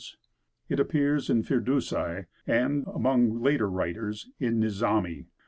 It appears in Firdusi, and among later writers, in Nizami.